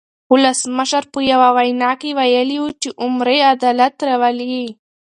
ولسمشر په یوه وینا کې ویلي وو چې عمري عدالت راولي.